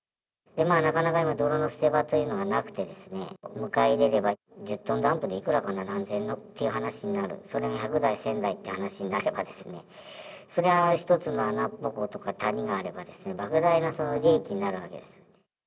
なかなか今、泥の捨て場というのがなくてですね、迎え入れれば１０トンダンプでいくらかな、何千円っていう話になる、それが１００台、１０００台って話になればですね、それが一つの穴ぼことか谷があれば、ばく大な利益になるわけですよ。